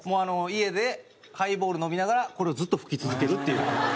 家でハイボール飲みながらこれをずっと吹き続けるっていう。